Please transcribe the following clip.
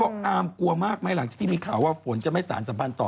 อาร์มกลัวมากไหมหลังจากที่มีข่าวว่าฝนจะไม่สารสัมพันธ์ต่อ